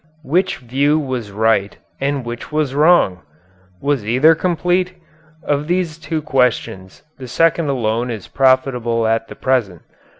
Which view was right and which was wrong? Was either complete? Of these two questions, the second alone is profitable at the present.